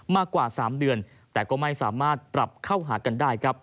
มากกว่า๓เดือนแต่ก็ไม่สามารถปรับเข้าหากันได้ครับ